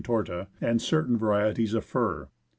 ELIAS torta\ and certain varieties of fir.